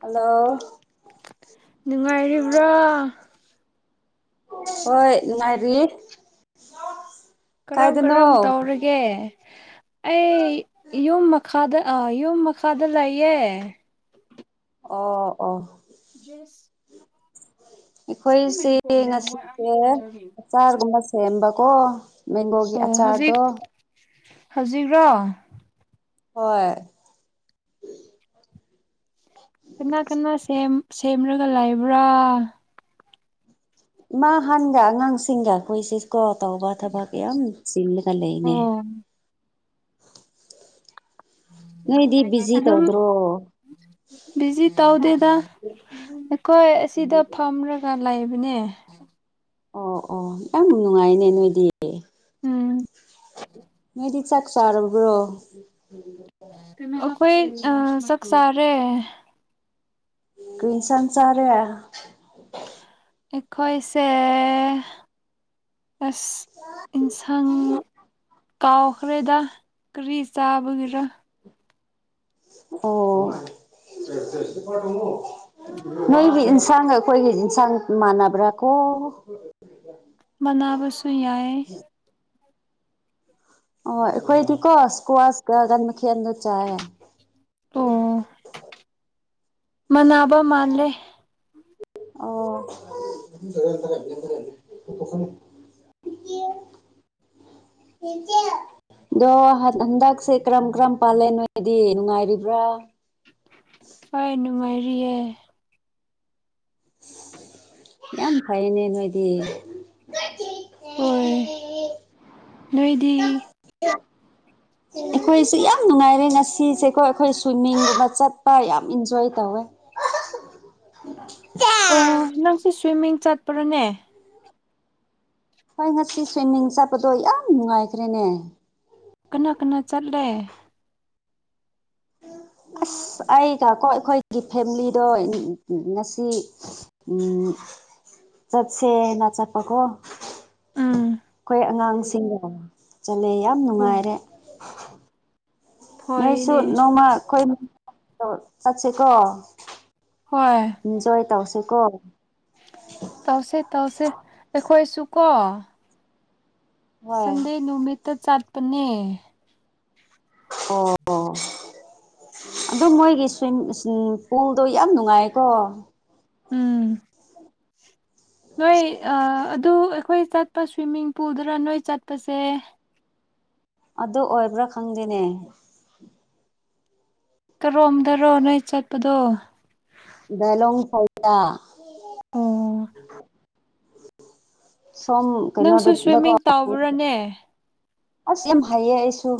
Hello. ꯅꯨꯡꯉꯥꯏꯔꯤꯕ꯭ꯔꯣ꯫ ꯍꯣꯏ ꯅꯨꯡꯉꯥꯏꯔꯤ꯫ ꯀꯔꯝ ꯀꯥꯏꯗꯅꯣ ꯀꯔꯝ ꯑꯣ ꯇꯧꯔꯒꯦ꯫ ꯑꯩ ꯌꯨꯝ ꯃꯈꯥꯗ ꯑ ꯌꯨꯝ ꯃꯈꯥꯗ ꯂꯩꯌꯦ꯫ ꯑꯣ ꯑꯣ꯫ ꯖꯦꯁ ꯑꯩꯈꯣꯏꯁꯦ ꯉꯁꯤꯁꯦ ꯑꯆꯥꯔꯒꯨꯝꯕ ꯁꯦꯝꯕꯀꯣ꯫ ꯃꯦꯡꯒꯣꯒꯤ ꯑꯣ ꯍꯧꯖꯤꯛ ꯑꯆꯥꯔꯗꯣ ꯍꯧꯖꯤꯛꯔꯣ꯫ ꯍꯣꯏ꯫ ꯀꯅꯥ ꯀꯅꯥ ꯁꯦꯝ ꯁꯦꯝꯔꯒ ꯂꯩꯕ꯭ꯔꯥ꯫ ꯏꯃꯥꯍꯟꯒ ꯑꯉꯥꯡꯁꯤꯡꯒ ꯑꯩꯈꯣꯏ ꯁꯤꯁꯀꯣ ꯇꯧꯕ ꯊꯕꯛ ꯌꯥꯝ ꯆꯤꯜꯂꯒ ꯂꯩꯅꯦ꯫ ꯑꯣ ꯅꯣꯏꯗꯤ ꯕꯤꯖꯤ [inaudible] ꯑꯗꯨꯝ ꯇꯧꯗ꯭ꯔꯣ ꯕꯤꯖꯤ ꯇꯧꯗꯦꯗ ꯑꯩꯈꯣꯏ ꯑꯁꯤꯗ ꯐꯝꯔ ꯒ ꯂꯩꯕꯅꯦ꯫ ꯑꯣ ꯑꯣ ꯌꯥꯝ ꯅꯨꯡꯉꯥꯏꯅꯦ ꯅꯣꯏꯗꯤ꯫ ꯎꯝ ꯅꯣꯏꯗꯤ ꯆꯥꯛ ꯆꯥꯔꯕ꯭ꯔꯣ꯫ ꯑꯩꯈꯣꯏ ꯑ ꯆꯥꯛ ꯆꯥꯔꯦ꯫ ꯀ꯭ꯔꯤ ꯏꯟꯁꯥꯡ ꯆꯥꯔꯦ꯫ ꯑꯩꯈꯣꯏꯁꯦ ꯑꯁ ꯏꯟꯁꯪ ꯀꯥꯎꯈ꯭ꯔꯦꯗ ꯀ꯭ꯔꯤ ꯆꯥꯕꯒꯤꯔ ꯑꯣ [unintelligible] ꯅꯣꯏꯒꯤ ꯏꯟꯁꯥꯡꯒ ꯑꯩꯈꯣꯏꯒꯤ ꯏꯟꯁꯥꯡ ꯃꯥꯟꯅꯕ꯭ꯔꯥ ꯀꯣ ꯃꯅꯥꯕꯁꯨ ꯌꯥꯏ ꯑꯣ ꯑꯩꯈꯣꯏꯗꯤꯀꯣ ꯏꯁꯀ꯭ꯋꯥꯁꯀꯥ ꯒꯟ ꯃꯈꯦꯟ ꯒꯥ ꯆꯥꯏꯌꯦ ꯑꯣ ꯃꯥꯟꯅꯕ ꯃꯥꯥꯜꯂꯦ ꯑꯣ [unintelligible] [unintelligible] ꯇꯦꯜ ꯗꯣ ꯍꯟ ꯍꯟꯗꯛꯁꯦ ꯀꯔꯝ ꯀꯔꯝ ꯄꯥꯜꯂꯦ ꯅꯣꯏꯗꯤ ꯅꯨꯡꯉꯥꯏꯔꯤꯕ꯭ꯔꯥ ꯍꯣꯏ ꯅꯨꯡꯉꯥꯏꯔꯤꯌꯦ ꯌꯥꯝ ꯐꯩꯅꯦ ꯅꯣꯏꯗꯤ ꯍꯣꯏ ꯅꯣꯏꯗꯤ ꯑꯩꯈꯣꯏꯁꯦ ꯌꯥꯝ ꯅꯨꯡꯉꯥꯏꯔꯦ ꯉꯁꯤꯁꯦꯀꯣ ꯑꯩꯈꯣꯏ ꯁ꯭ꯋꯤꯏꯃꯤꯡꯒꯨꯝꯕ ꯆꯠꯄ ꯌꯥꯝ ꯏꯟꯖꯣꯏ ꯇꯧꯋꯦ [inaudible] [unintelligible] ꯅꯪꯁꯦ ꯁ꯭ꯋꯤꯏꯃꯤꯡ ꯆꯠꯄ꯭ꯔꯥꯅꯦ ꯍꯣꯏ ꯉꯁꯤ ꯁ꯭ꯋꯤꯏꯃꯤꯡ ꯆꯠꯄꯗꯣ ꯌꯥꯝ ꯅꯨꯡꯉꯥꯏꯈ꯭ꯔꯦꯅꯦ ꯀꯅꯥ ꯀꯅꯥ ꯆꯠꯂꯦ ꯑꯁ ꯑꯩꯒꯀꯣ ꯑꯩꯈꯣꯏꯒꯤ ꯐꯦꯃꯤꯂꯤꯗꯣ ꯉꯁꯤ ꯎꯝ ꯆꯠꯁꯦ ꯅ ꯆꯠꯄꯀꯣ ꯎꯝ ꯈꯣꯏ ꯑꯉꯥꯡꯁꯤꯡꯒ ꯆꯠꯂꯦ ꯌꯥꯝ ꯑꯣ ꯅꯨꯡꯉꯥꯏꯔꯦ ꯅꯣꯏꯁꯨ ꯍꯣꯏꯅꯦ ꯅꯣꯡꯃ ꯈꯣꯏ [inaudible] ꯆꯠꯁꯤꯀꯣ ꯍꯣꯏ ꯏꯟꯖꯣꯏ ꯇꯧꯁꯦꯀꯣ ꯇꯧꯁꯦ ꯇꯧꯁꯦ ꯑꯩꯈꯣꯏꯁꯨ ꯀꯣ ꯍꯣꯏ ꯁꯟꯗꯦ ꯅꯨꯃꯤꯠꯇꯥ ꯆꯠꯄꯅꯦ ꯑꯣ ꯑꯣ ꯑꯗꯨ ꯃꯣꯏꯒꯤ ꯁ꯭ꯋꯤꯝ ꯎꯝ ꯄꯨꯜꯗꯣ ꯌꯥꯝ ꯅꯨꯡꯉꯥꯏꯀꯣ ꯎꯝ ꯅꯣꯏ ꯑꯥ ꯑꯗꯨ ꯑꯩꯈꯣꯏ ꯆꯠꯄ ꯁ꯭ꯋꯤꯃꯤꯡ ꯄꯨꯜꯗꯨꯔꯥ ꯅꯣꯏ ꯆꯠꯄꯁꯦ ꯑꯗꯨ ꯑꯣꯏꯕ꯭ꯔꯥ ꯈꯪꯗꯦꯅꯦ ꯀꯔꯣꯝꯗꯥꯔꯣ ꯅꯣꯏ ꯆꯠꯄꯗꯣ [unintelligible] ꯐꯧꯗ ꯑꯣ ꯁꯣꯝ ꯅꯪꯁꯨ ꯀꯩꯅꯣꯗꯀꯣ ꯁ꯭ꯋꯤꯝꯃꯤꯡ ꯇꯧꯕ꯭ꯔꯥꯅꯦ ꯑꯁ ꯌꯥꯝ ꯍꯩꯌꯦ ꯑꯩꯁꯨ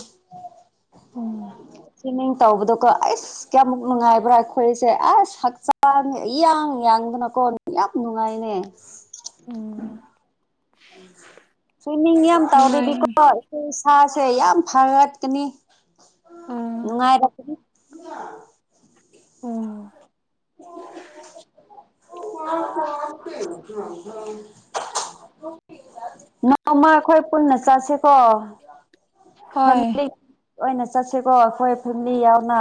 ꯎꯝ ꯁ꯭ꯋꯤꯝꯃꯤꯡ ꯇꯧꯕꯗꯣꯀꯣ ꯑꯩꯁ ꯀꯌꯥꯃꯨꯛ ꯅꯨꯡꯉꯥꯏꯕ꯭ꯔꯥ ꯑꯩꯈꯣꯏꯁꯦ ꯑꯁ ꯍꯛꯆꯥꯡ ꯏ ꯌꯥꯡ ꯌꯥꯡꯗꯅꯀꯣ ꯌꯥꯝ ꯅꯨꯡꯉꯥꯏꯅꯦ ꯑꯣ ꯁ꯭ꯋꯤꯃꯤꯡ ꯌꯥꯝ ꯅꯨꯡꯉꯥꯏ ꯇꯧꯔꯤꯗꯤꯀꯣ ꯑꯩꯈꯣꯏ ꯏꯁꯥꯁꯦ ꯌꯥꯝ ꯐꯔꯛꯀꯥꯅꯤ ꯑꯥ ꯅꯨꯡꯉꯥꯏꯔꯛꯄꯒꯤ ꯑꯣ [unintelligible] ꯅꯣꯡꯃ ꯑꯩꯈꯣꯏ ꯄꯨꯟꯅ ꯆꯠꯁꯦꯀꯣ ꯍꯣꯏ ꯐꯝꯂꯤ ꯑꯣꯏꯅ ꯆꯠꯁꯦꯀꯣ ꯑꯩꯈꯣꯏ ꯐꯝꯂꯤ ꯌꯥꯎꯅ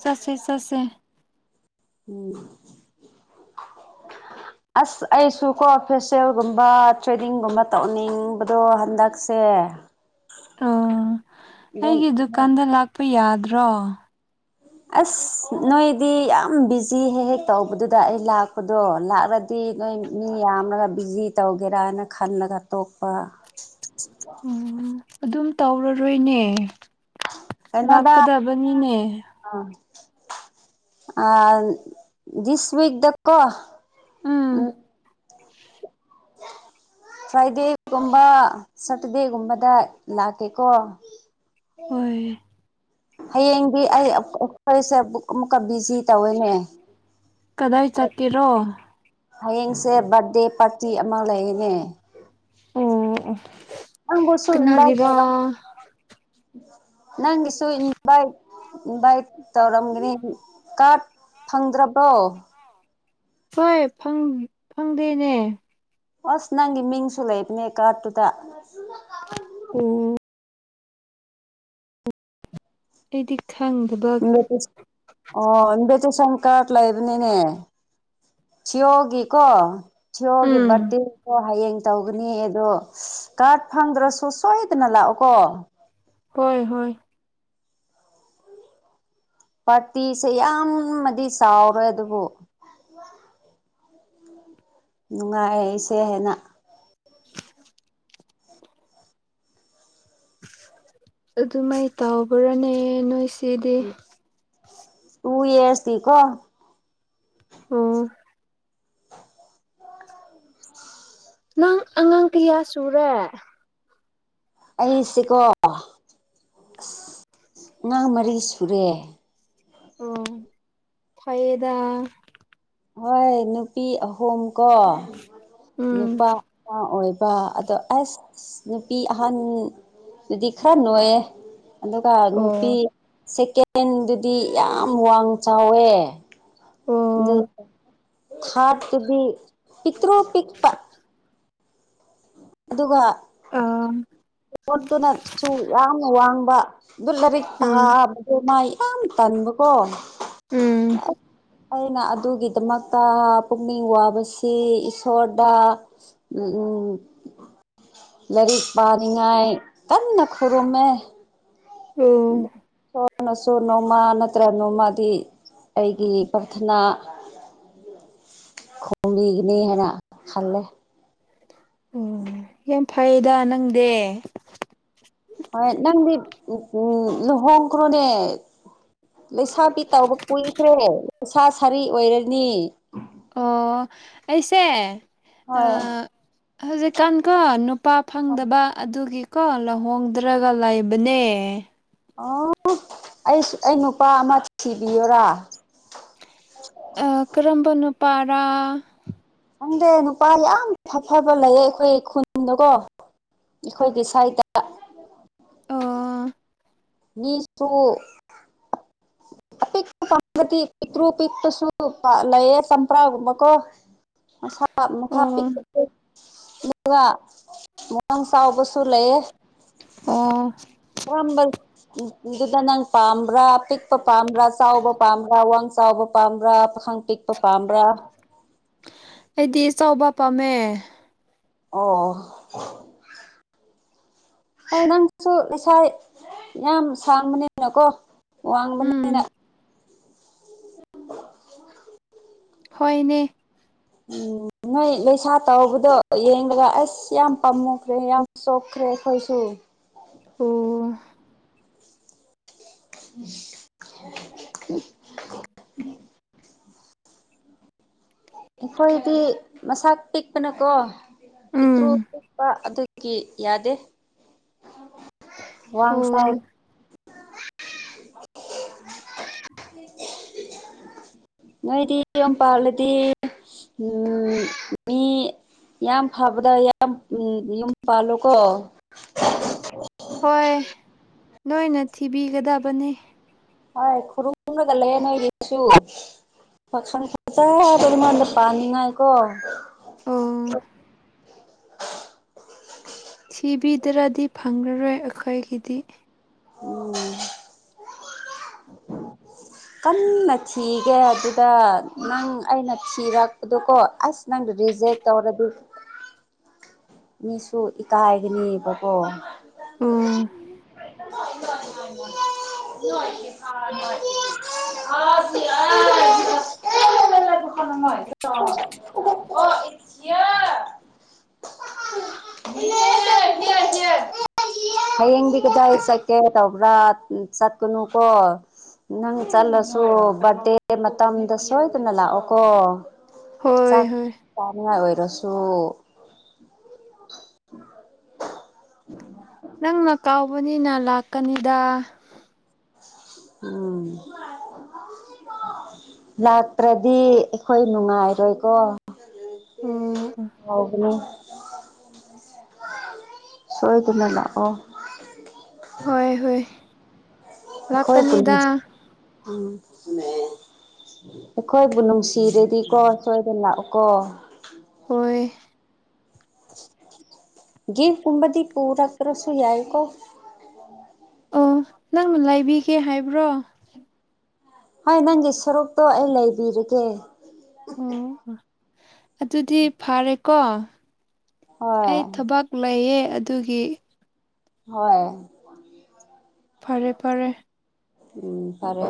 ꯆꯠꯁꯦ ꯆꯠꯁꯦ ꯎꯝ [inaudible] ꯑꯁ ꯑꯩꯁꯨ ꯀꯣ ꯐꯦꯁꯤꯌꯦꯜꯒꯨꯝꯕ ꯊ꯭ꯔꯦꯗꯤꯡꯒꯨꯝꯕ ꯇꯧꯅꯤꯡꯕꯗꯣ ꯍꯟꯗꯛꯁꯦ ꯑꯣ ꯑꯩꯒꯤ ꯗꯨꯀꯥꯟꯗ ꯂꯥꯛꯄ ꯌꯥꯗ꯭ꯔꯣ ꯑꯁ ꯅꯣꯏꯗꯤ ꯌꯥꯝ ꯕꯤꯖꯤ ꯍꯦꯛ ꯍꯦꯛ ꯇꯧꯕꯗꯨꯗ ꯑꯩ ꯂꯥꯛꯄꯗꯣ ꯂꯥꯛꯂ__ ꯇꯤ ꯅꯣꯏ ꯃꯤ ꯌꯥꯝꯔꯒꯥ ꯕꯤꯖꯤ ꯇꯧꯒꯦꯔꯅ ꯈꯜꯂꯒ ꯇꯣꯛꯄ ꯎꯝ ꯑꯗꯨꯝ ꯇꯧꯔꯔꯣꯏꯅꯦ ꯂꯥꯛꯀꯗꯕꯅꯤꯅꯦ ꯑ ꯑ ꯗꯤꯁ ꯋꯤꯛ ꯗ ꯀꯣ ꯎꯝ [unintelligible] ꯐ꯭ꯔꯥꯏꯗꯦꯒꯨꯝꯕ ꯁꯇꯔꯗꯦꯒꯨꯝꯕꯗ ꯂꯥꯛꯀꯦꯀꯣ ꯍꯣꯏ [unintelligible] ꯍꯌꯦꯡꯗꯤ ꯑꯩ ꯑꯩꯈꯣꯏꯁꯦ ꯕꯨꯛ ꯑꯃꯨꯛꯀ ꯕꯤꯖꯤ ꯇꯧꯋꯦꯅꯦ ꯀꯗꯥꯏ ꯆꯠꯀꯦꯔꯣ ꯍꯌꯦꯡꯁꯦ ꯕꯥꯔꯗꯦ ꯄꯥꯔꯇꯤ ꯑꯃ ꯂꯩꯌꯦꯅꯦ ꯑꯦ ꯅꯪꯕꯨꯁꯨ ꯏꯟꯚꯥꯏꯠ ꯇꯧꯔꯥꯛꯀꯦ ꯅꯪꯒꯤꯁꯨ ꯏꯟꯚꯥꯏꯠ ꯏꯟꯚꯥꯏꯠ ꯇꯧꯔꯝꯒꯅꯤ ꯀꯥꯔꯗ ꯐꯪꯗ꯭ꯔꯕꯣ ꯍꯣꯏ ꯐꯪ ꯐꯪꯗꯦꯅꯦ ꯑꯁ ꯅꯪꯒꯤ ꯃꯤꯡꯁꯨ ꯂꯩꯕꯅꯦ ꯀꯥꯔꯠꯇꯨꯗ ꯎꯝ ꯑꯩꯗꯤ ꯐꯪꯗꯕ ꯏꯟꯚꯥꯏꯇꯦꯁꯟ ꯑꯣ ꯏꯟꯚꯥꯏꯇꯦꯁꯟ ꯀꯥꯔꯗ ꯂꯩꯕꯅꯤꯅꯦ ꯁꯤꯌꯣꯒꯤꯀꯣ ꯁꯤꯌꯣꯒꯤ ꯎꯝ ꯕ꯭ꯥꯔꯇꯤꯟ ꯗꯣ ꯍꯌꯦꯡ ꯇꯧꯒꯅꯤ ꯑꯗꯣ ꯀꯥꯔꯗ ꯐꯪꯗ꯭ꯔꯁꯨ ꯁꯣꯏꯗꯅ ꯂꯥꯛꯑꯣꯀꯣ ꯍꯣꯏ ꯍꯣꯏ ꯄꯥꯔꯇꯤꯁꯦ ꯌꯥꯝ ꯃꯗꯤ ꯆꯥꯎꯔꯦ ꯑꯗꯨꯕꯨ ꯅꯨꯡꯉꯥꯏ ꯁꯦ ꯍꯥꯏꯅ [unintelligible] ꯑꯗꯨꯃꯥꯏ ꯇꯧꯕ꯭ꯔꯥꯅꯦ ꯅꯣꯏꯁ ꯇꯨ ꯌꯦꯏ ꯗꯦ ꯀꯣ ꯑꯣ ꯅꯪ ꯑꯉꯥꯡ ꯀꯌꯥ ꯁꯨꯔꯦ ꯑꯩꯁꯤꯀꯣ ꯑꯉꯥꯡ ꯃꯔꯤ ꯁꯨꯔꯦ ꯑꯣ ꯐꯩꯌꯦꯗ ꯍꯣꯏ ꯅꯨꯄꯤ ꯑꯍꯣꯨꯝꯀꯣ ꯎꯝ ꯅꯨꯄꯥ ꯄꯥ ꯑꯣꯏꯕ ꯑꯗꯣ ꯑꯁ ꯑꯁ ꯅꯨꯄꯤ ꯑꯍꯟ ꯗꯨꯗꯤ ꯈꯔꯥ ꯅꯣꯏꯌꯦ ꯑꯗꯨꯒ ꯅꯨꯄꯤ ꯑꯣ ꯁꯦꯀꯦꯟꯗꯨꯗꯤ ꯌꯥꯝ ꯋꯥꯡ ꯆꯥꯎꯋꯦ ꯑꯣ ꯗꯨ ꯊ꯭ꯥꯔ꯭ꯠꯇꯨꯗꯤ ꯄꯤꯛꯇ꯭ꯔꯨ ꯄꯤꯛꯄ ꯑꯗꯨꯒ ꯑ ꯄꯣꯠꯇꯨꯅ ꯁꯨ ꯌꯥꯝꯅ ꯋꯥꯡꯕ ꯑꯗꯨ ꯂꯥꯏꯔꯤꯛ ꯊꯥ ꯎꯝ ꯕ ꯗꯨ ꯃꯥ ꯌꯥꯝ ꯇꯟꯕꯀꯣ ꯎꯝ ꯑꯩꯅ ꯑꯗꯨꯒꯤꯗꯃꯛꯇ ꯄꯨꯛꯅꯤꯡ ꯋꯥꯕꯁꯤ ꯏꯁꯣꯔꯗ [unintelligible] ꯂꯥꯏꯔꯤꯛ ꯄꯥꯅꯤꯡꯉꯥꯏ ꯀꯟꯅ ꯈꯨꯔꯨꯝꯃꯦ ꯎꯝ ꯁꯣꯔꯅꯁꯨ ꯅꯣꯡꯃꯥ ꯅꯠꯇ꯭ꯔ ꯅꯣꯡꯃꯗꯤ ꯑꯩꯒꯤ ꯄꯔꯊꯅꯥ [unintelligible] ꯈꯣꯝ ꯕꯤꯒꯤꯅꯤ ꯍꯥꯏꯅ ꯈꯜꯂꯦ ꯎꯝ ꯌꯥꯝ ꯐꯩꯗ ꯅꯪꯗꯤ ꯍꯣꯏ ꯅꯪꯗꯤ ꯎꯝ ꯂꯨꯍꯣꯡꯈ꯭ꯔꯣꯅꯦ ꯂꯩꯁꯥꯕꯤ ꯇꯧꯕ ꯀꯨꯏꯈ꯭ꯔꯦ ꯂꯩꯁꯥ ꯁꯥꯔꯤ ꯑꯣꯏꯔꯅꯤ ꯑꯣ ꯑꯩꯁꯦ ꯍꯣꯏ ꯍꯧꯖꯤꯛꯀꯥꯟ ꯀꯣ ꯅꯨꯄꯥ ꯐꯪꯗꯕ ꯑꯗꯨꯒꯤ ꯀꯣ ꯂꯣꯍꯣꯡꯗ꯭ꯔꯒ ꯂꯩꯕꯅꯦ ꯑꯣ ꯑꯩꯆ ꯑꯩ ꯅꯨꯄꯥ ꯑꯃ ꯊꯤꯕꯤꯌꯣꯔꯥ ꯑꯦ ꯀꯔꯝꯕ ꯅꯨ ꯄꯔꯥ ꯈꯪꯗꯦ ꯅꯨꯄꯥ ꯌꯥꯝ ꯐꯐꯕ ꯂꯩꯌꯦ ꯑꯩꯈꯣꯏ ꯈꯨꯟ ꯗꯀꯣ ꯑꯩꯈꯣꯏꯒꯤ ꯁꯥꯏꯗ ꯑꯣ ꯅꯤ ꯁꯨꯨ [inaudible] ꯄꯥꯝ ꯕ ꯗꯤ ꯄꯤꯛꯇ꯭ꯔꯨ ꯄꯤꯛꯄꯁꯨ ꯄ ꯂꯩꯌꯦ ꯆꯝꯄ꯭ꯔꯥ ꯒꯨꯝꯕ ꯀꯣ ꯃꯁꯥ ꯃꯊꯥ ꯄꯤꯛ ꯑꯣ [unintelligible] ꯃꯨ ꯒ ꯃꯣ ꯋꯥꯡ ꯆꯥꯎꯕꯁꯨ ꯂꯩꯌꯦ ꯑꯣ ꯑꯣꯟꯕꯩ ꯏ ꯀꯤꯗꯨꯗ ꯅꯪ ꯄꯥꯝꯕ꯭ꯔꯥ ꯄꯤꯛ ꯄ ꯄꯥꯝꯕ꯭ꯔꯥ ꯆꯥꯎꯕ ꯄꯥꯝꯕ꯭ꯔꯥ ꯋꯥꯡ ꯆꯥꯎꯕ ꯄꯥꯝꯕ꯭ꯔꯥ ꯄꯥꯈꯪ ꯄꯤꯛꯄ ꯄꯥꯝꯕ꯭ꯔꯥ ꯑꯩꯗꯤ ꯆꯥꯎꯕ ꯄꯥꯝꯃꯦ ꯑꯣ [inaudible] ꯍꯥꯏ ꯅꯪꯁꯨ ꯂꯩꯁꯥ ꯏꯠ ꯌꯥꯝ ꯁꯥꯡꯕꯅꯤ ꯅꯀꯣ ꯋꯥꯡꯕꯅꯤ ꯎꯝ ꯍꯣꯏꯅꯦ ꯎꯝ ꯅꯣꯏ ꯂꯩꯁꯥ ꯇꯧꯕꯗꯣ ꯌꯦꯡꯂꯒ ꯑꯁ ꯌꯥꯝ ꯄꯥꯝꯃꯨꯈ꯭ꯔꯦ ꯌꯥꯝ ꯆꯣꯛꯈ꯭ꯔꯦ ꯑꯈꯣꯏꯁꯨ ꯎꯝ [unintelligible] ꯑꯩꯈꯣꯏꯗꯤ ꯃꯁꯥ ꯄꯤꯛꯄꯅꯀꯣ ꯄꯤꯛꯇ꯭ꯔꯨ ꯎꯝ ꯄꯤꯛꯄ ꯑꯗꯨ ꯀꯤ ꯌꯥꯗꯦ ꯋꯥꯡ ꯆꯥꯎ ꯑꯣ [unintelligible] ꯅꯣꯏꯗꯤ ꯌꯨꯝ ꯄꯥꯜꯂꯗꯤ ꯎꯝ [unintelligible] ꯃꯤ ꯌꯥꯝ ꯐꯕꯗ ꯌꯥꯝ ꯎꯝ ꯌꯨꯝ ꯄꯥꯜꯂꯨꯀꯣ ꯍꯣꯏ ꯅꯣꯏꯅ ꯊꯤꯕꯤꯒꯗꯕꯅꯦ ꯍꯣꯏ ꯈꯨꯔꯨꯝꯂꯒ ꯂꯩꯌꯦ ꯅꯣꯏꯒꯤꯁꯨ ꯄꯥꯈꯪ ꯐꯖꯕ ꯑꯃꯗ ꯄꯥꯟꯅꯤꯡꯉꯥꯏꯀꯣ [unintelligible] ꯊꯤꯕꯤꯗ꯭ꯔꯗꯤ ꯐꯪꯉꯔꯣꯏ ꯑꯩꯈꯣꯏꯒꯤꯗꯤ ꯎꯝ ꯀꯟꯅ ꯊꯤꯒꯦ ꯑꯗꯨꯒ ꯅꯪ ꯑꯩꯅ ꯊꯤꯔꯛ ꯑꯗꯨ ꯀꯣ ꯑꯁ ꯅꯪꯗꯨ ꯔꯤꯖꯦꯛ ꯇꯧꯔꯗꯤ ꯃꯤꯁꯨ ꯏꯀꯥꯏꯒꯅꯤꯕꯀꯣ ꯎꯝ [unintelligible] [inaudible] [unintelligible] [unintelligible] [inaudible] ꯍꯌꯦꯡꯗꯤ ꯀꯗꯥꯏ ꯆꯠꯀꯦ ꯇꯧꯕ꯭ꯔꯥ ꯆꯠꯀꯅꯨꯀꯣ ꯅꯪ ꯆꯠꯂꯁꯨ ꯕꯥꯔꯗꯦ ꯃꯇꯝꯗ ꯁꯣꯏꯗꯅ ꯂꯥꯛꯑꯣꯀꯣ ꯍꯣꯏ ꯍꯣꯏ ꯇꯥꯅꯤꯡꯉꯥꯏ ꯑꯣꯏꯔꯁꯨ [unintelligible] ꯅꯪꯅ ꯀꯥꯎꯕꯅꯤꯅ ꯂꯥꯛꯀꯅꯤꯗ ꯎꯝ ꯂꯥꯛꯇ꯭ꯔꯗꯤ ꯑꯩꯈꯣꯏ ꯅꯨꯡꯉꯥꯏꯔꯣꯏꯀꯣ ꯎꯝ ꯀꯥꯎꯕꯅꯤ ꯁꯣꯏꯗꯅ ꯂꯥꯛꯑꯣ ꯍꯣꯏ ꯍꯣꯏ ꯑꯩꯈꯣꯏ [unintelligible] ꯂꯥꯛꯀꯅꯤꯗ ꯑꯩꯈꯣꯏꯕꯨ ꯅꯨꯡꯁꯤꯔꯗꯤꯀꯣ ꯁꯣꯏꯗꯅ ꯂꯥꯛꯎꯀꯣ ꯍꯣꯏ ꯒꯤꯐ ꯀꯨꯝꯕꯗꯤ ꯄꯨꯔꯛꯇ꯭ꯔꯁꯨ ꯌꯥꯏꯀꯣ [unintelligible] ꯑꯣ ꯅꯪꯅ ꯂꯩꯕꯤꯒꯦ ꯍꯥꯏꯕ꯭ꯔꯣ ꯍꯣꯏ ꯅꯪꯒꯤ ꯁꯔꯨꯛꯇꯣ ꯑꯩ ꯂꯩꯕꯤꯔꯒꯦ [unintelligible] ꯑꯗꯨꯗꯤ ꯐꯔꯦꯀꯣ ꯍꯣꯏ ꯑꯩ ꯊꯕꯛ ꯂꯩꯌꯦ ꯑꯗꯨꯒꯤ ꯍꯣꯏ ꯐꯔꯦ ꯐꯔꯦ ꯎꯝ ꯐꯔꯦ